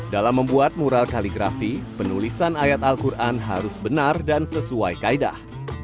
dalam membuat mural kaligrafi penulisan ayat al quran harus benar dan sesuai kaedah